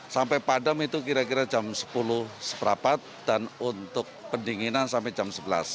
sampai padam itu kira kira jam sepuluh seberapat dan untuk pendinginan sampai jam sebelas